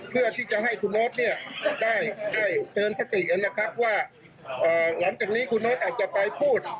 เพื่อที่จะให้คุณโน๊ตได้เชิญสติว่าหลังจากนี้คุณโน๊ตอาจจะไปพูด